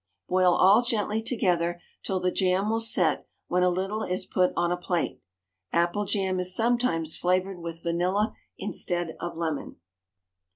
Boil all gently together till the jam will set when a little is put on a plate. Apple jam is sometimes flavoured with vanilla instead of lemon."